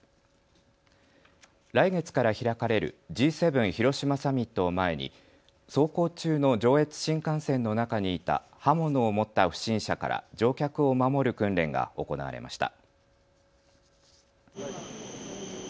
来月から開かれるＧ７広島サミットを前に走行中の上越新幹線の中にいた刃物を持った不審者から乗客を守る訓練が行われました。